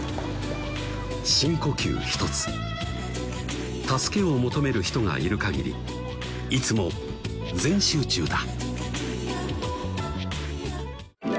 深呼吸一つ助けを求める人がいる限りいつも全集中だ